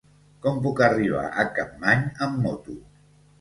Com puc arribar a Capmany amb moto?